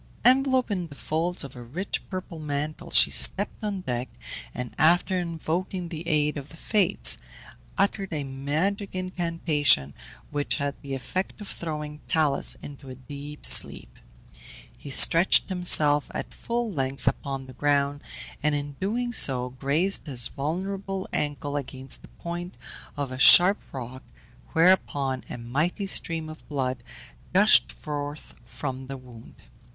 Enveloped in the folds of a rich purple mantle, she stepped on deck, and after invoking the aid of the Fates, uttered a magic incantation, which had the effect of throwing Talus into a deep sleep. He stretched himself at full length upon the ground, and in doing so grazed his vulnerable ankle against the point of a sharp rock, whereupon a mighty stream of blood gushed forth from the wound.